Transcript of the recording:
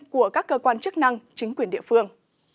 của các cơ quan chức năng chính quyền địa phương